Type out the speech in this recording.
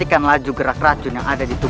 kau akan dapat